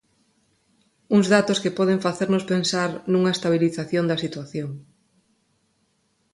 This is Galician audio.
Uns datos que poden facernos pensar nunha estabilización da situación.